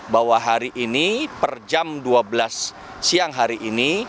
bahwa hari ini per jam dua belas siang hari ini